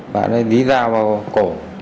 bạn ấy dí ra vào cổ